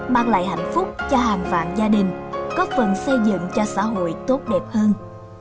mang lại hạnh phúc cho hàng vạn gia đình góp phần xây dựng cho xã hội tốt đẹp hơn